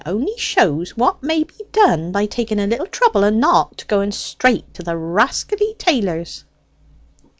It only shows what may be done by taking a little trouble, and not going straight to the rascally tailors."